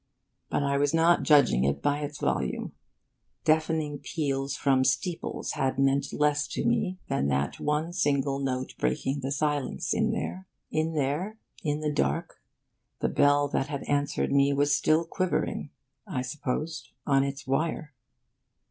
But I was not judging it by its volume. Deafening peals from steeples had meant less to me than that one single note breaking the silence in there. In there, in the dark, the bell that had answered me was still quivering, I supposed, on its wire.